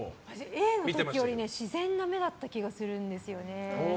Ａの時より自然な目だった気がするんですよね。